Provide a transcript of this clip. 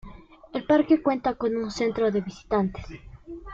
El parque cuenta con un centro de visitantes